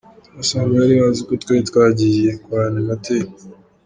Twasanze bari bazi ko twari twagiye kwa animateri.